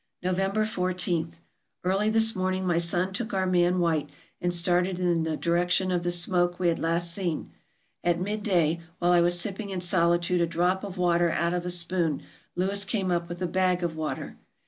November 14. — Early this morning my son took our man White, and. started in the direction of the smoke we 432 TRAVELERS AND EXPLORERS had last seen. At mid day, while I was sipping in solitude a drop of water out of a spoon, Lewis came up with a bag of water.